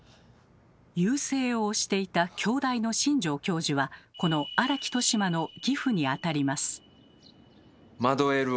遊星を推していた京大の新城教授はこの荒木俊馬の義父にあたります。